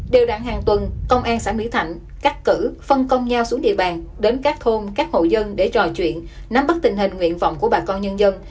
điều đạn hàng tuần công an xã mỹ thạnh cắt cử phân công nhau xuống địa bàn đến các thôn các hộ dân để trò chuyện nắm bắt tình hình nguyện vọng của bà con nhân dân